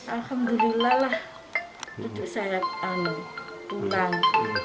alhamdulillah lah itu saya tunang